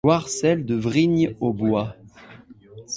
Voir celle de Vrigne-aux-Bois.